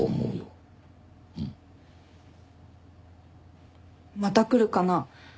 うん。また来るかな？